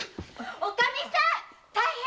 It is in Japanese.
おかみさん大変‼